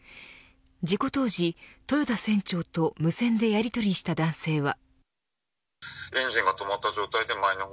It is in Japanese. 事故当時、豊田船長と無線でやりとりした男性は。